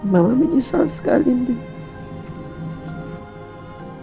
mama menyesal sekali nita